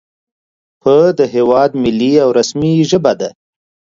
په د هېواد ملي او رسمي ژبه ده